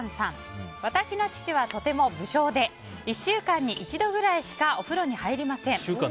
私の父はとても無精で１週間に一度くらいしかお風呂に入りません。